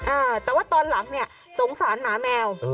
อ่าแต่ว่าตอนหลังเนี่ยสงสารหมาแมว